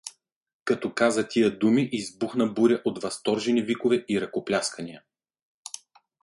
Като каза тия думи, избухна буря от възторжени викове и ръкопляскания.